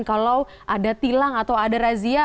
kalau ada tilang atau ada razia